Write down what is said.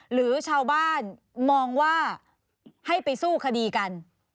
หรือชาวบ้านมองว่าให้ไปสู้คดีกัน